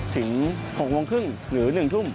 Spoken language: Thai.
ถึง๖โมงครึ่งหรือ๑ทุ่ม